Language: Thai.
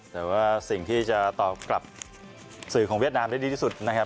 แต่ว่าสิ่งที่จะตอบกลับสื่อของเวียดนามได้ดีที่สุดนะครับ